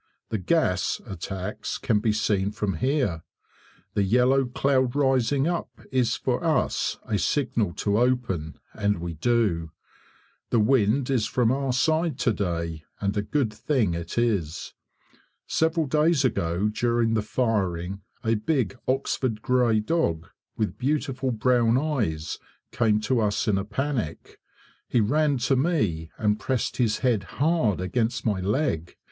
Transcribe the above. The "gas" attacks can be seen from here. The yellow cloud rising up is for us a signal to open, and we do. The wind is from our side to day, and a good thing it is. Several days ago during the firing a big Oxford grey dog, with beautiful brown eyes, came to us in a panic. He ran to me, and pressed his head HARD against my leg.